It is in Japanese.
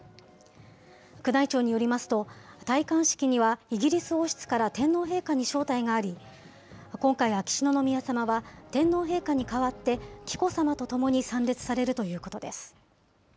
宮内庁によりますと、戴冠式にはイギリス王室から天皇陛下に招待があり、今回、秋篠宮さまは天皇陛下に代わって、紀子さまと共に参列されるということです。